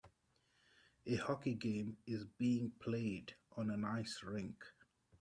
A hockey game is being played on an ice rink.